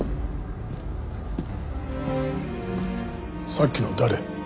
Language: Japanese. さっきの誰？